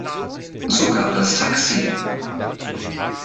Sogar das Taxi.